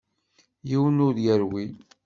Yiwen ur yerwil.